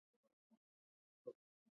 پښتو جملی لیکل